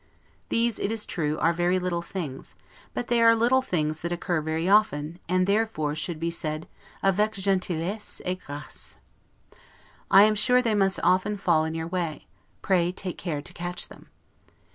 These, it is true, are very little things; but they are little things that occur very often, and therefore should be said 'avec gentillesse et grace'. I am sure they must fall often in your way; pray take care to catch them.